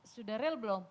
sudah real belum